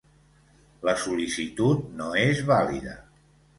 La sol·licitud no és vàlida.